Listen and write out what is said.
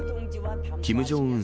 キム・ジョンウン